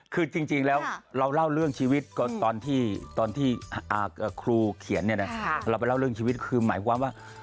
คือจริงแล้วเราเล่าเรื่องชีวิตก็ตอนที่ครูเขียนเนี่ยนะเราไปเล่าเรื่องชีวิตคือหมายความว่า